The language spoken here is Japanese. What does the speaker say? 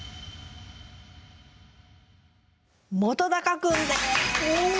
本君です！